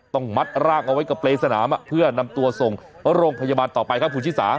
ต้องมัดร่างเอาไว้กับเปรย์สนามเพื่อนำตัวส่งโรงพยาบาลต่อไปครับคุณชิสา